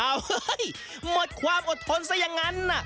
อ้าวเฮ้ยหมดความอดทนส่ายังงั้น